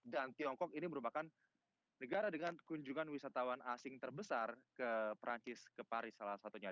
dan tiongkok ini merupakan negara dengan kunjungan wisatawan asing terbesar ke perancis ke paris salah satunya